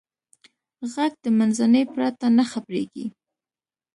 غږ د منځنۍ پرته نه خپرېږي.